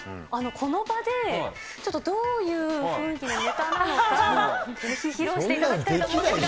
この場で、ちょっとどういう雰囲気のネタなのか、ぜひ披露していただきたいと思うんですが。